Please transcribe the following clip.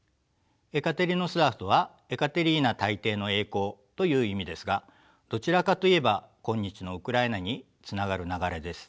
エカテリノスラフとはエカテリーナ大帝の栄光という意味ですがどちらかといえば今日のウクライナにつながる流れです。